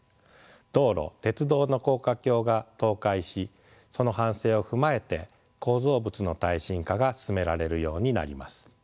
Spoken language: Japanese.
道路鉄道の高架橋が倒壊しその反省を踏まえて構造物の耐震化が進められるようになります。